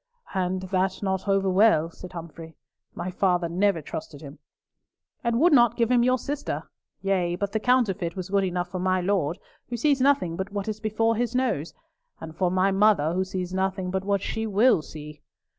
"And that not over well," said Humfrey. "My father never trusted him." "And would not give him your sister. Yea, but the counterfeit was good enough for my Lord who sees nothing but what is before his nose, and for my mother who sees nothing but what she will see.